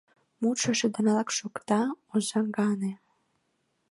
Мутшо шыдынрак шокта, оза гане.